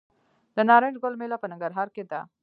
د نارنج ګل میله په ننګرهار کې ده.